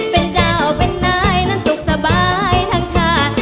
เป็นเจ้าเป็นนายนั้นสุขสบายทั้งชาติ